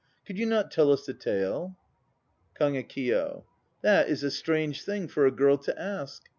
Could you not tell us the tale? KAGEKIYO. That is a strange thing for a girl to ask.